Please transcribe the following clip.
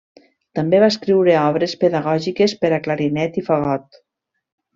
També va escriure obres pedagògiques per a clarinet i el fagot.